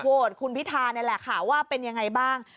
และโวทธคุณพิทาเนี่ยเรียข่าวว่าเป็นยังไงบ้าง